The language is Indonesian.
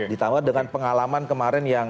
ditambah dengan pengalaman kemarin yang